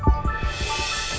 tidak ada yang bisa dikira